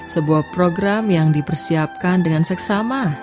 sebuah program yang dipersiapkan dengan seksama